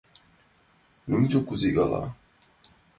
Лӱмжӧ кузе гала?